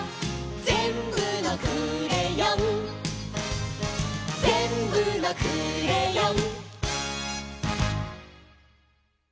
「ぜんぶのクレヨン」「ぜんぶのクレヨン」